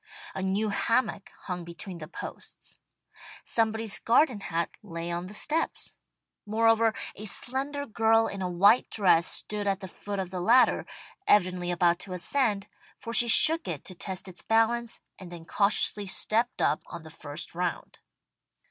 A new hammock hung between the posts. Somebody's garden hat lay on the steps. Moreover, a slender girl in a white dress stood at the foot of the ladder, evidently about to ascend, for she shook it to test its balance, and then cautiously stepped up on the first round.